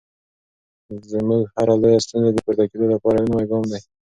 زموږ هره لویه ستونزه د پورته کېدو لپاره یو نوی ګام دی.